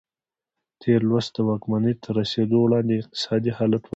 تېر لوست د واکمنۍ ته تر رسېدو وړاندې اقتصادي حالت وڅېړه.